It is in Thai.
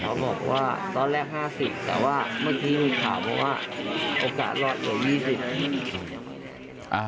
เขาบอกว่าตอนแรก๕๐แต่ว่าเมื่อกี้มีข่าวเพราะว่าโอกาสรอดลง๒๐